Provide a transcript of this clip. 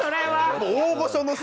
大御所のさ。